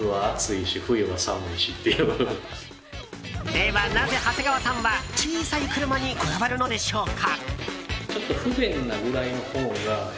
では、なぜ長谷川さんは小さい車にこだわるのでしょうか。